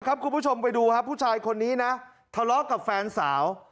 คุณผู้ชมไปดูครับผู้ชายคนนี้นะทะเลาะกับแฟนสาว